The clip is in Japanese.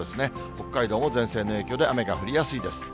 北海道も前線の影響で雨が降りやすいです。